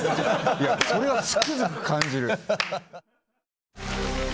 それはつくづく感じる。